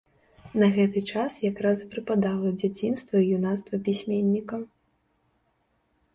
На гэты час якраз і прыпадала дзяцінства і юнацтва пісьменніка.